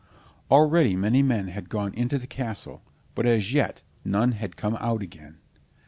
Already many men had gone into the castle, but as yet none had come out again.